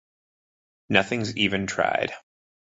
Nothing's even tried.